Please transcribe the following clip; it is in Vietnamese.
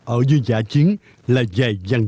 ở dưới giải chiến là dài giành